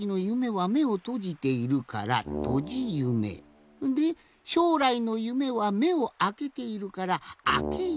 はめをとじているからでしょうらいの夢はめをあけているからとか。